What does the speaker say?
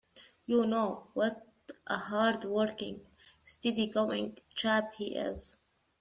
You know what a hard-working, steady-going chap he is.